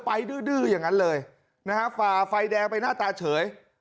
ดื้ออย่างนั้นเลยนะฮะฝ่าไฟแดงไปหน้าตาเฉย